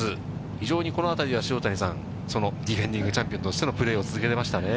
非常にこのあたりでは、塩谷さん、ディフェンディングチャンピオンとしてのプレーを続けてきましたね。